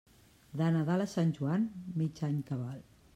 De Nadal a Sant Joan, mig any cabal.